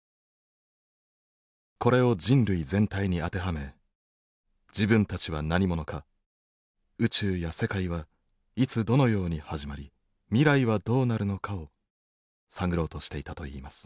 これを人類全体に当てはめ自分たちは何者か宇宙や世界はいつどのように始まり未来はどうなるのかを探ろうとしていたといいます。